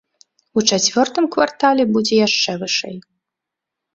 У чацвёртым квартале будзе яшчэ вышэй.